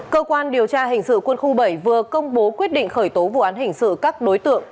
cơ quan điều tra hình sự quân khu bảy vừa công bố quyết định khởi tố vụ án hình sự các đối tượng